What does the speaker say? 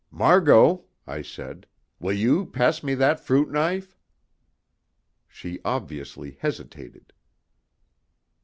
"Margot," I said, "will you pass me that fruit knife?" She obviously hesitated.